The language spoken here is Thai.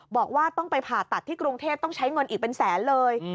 บอกว่าต้องไปผ่าตัดที่กรุงเทพต้องใช้เงินอีกเป็นแสนเลย